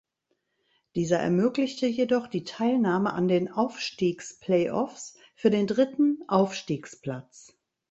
Dieser ermöglichte jedoch die Teilnahme an den Aufstiegsplayoffs für den dritten Aufstiegsplatz.